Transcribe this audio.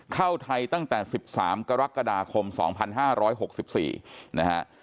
เข้าไทยตั้งแต่๑๓กรกฎาคม๒๕๖๔นะฮะ